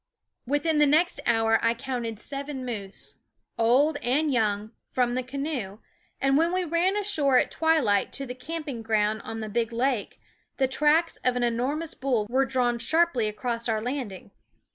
Within the next hour I counted seven moose, old and young, from the canoe ; and when we ran ashore at twilight to the camp ing ground on the big lake, the tracks of an enormous bull were drawn sharply across our landing.